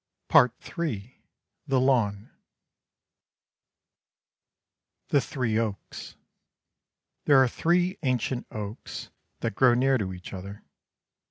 PART III. THE LAWN THE THREE OAKS There are three ancient oaks, That grow near to each other.